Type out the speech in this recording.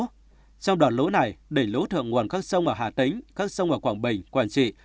trong đợt lũ này đỉnh lũ thượng nguồn các sông ở hà tĩnh các sông ở quảng bình quảng trị